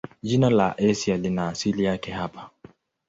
Jina la Asia lina asili yake hapa.